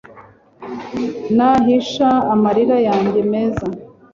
Nahisha amarira yanjye meza